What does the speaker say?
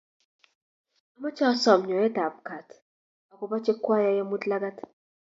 Amache asom nyoet ab gaat akoba chekwayai amut lagat